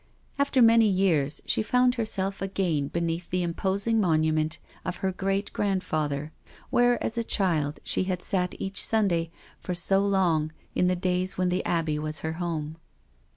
After many years she found herself again beneath the imposing monument of her great grandfather, where as a child she had sat each Sunday for so long in the days when the Abbey was her home.